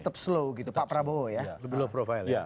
tetap slow gitu pak prabowo ya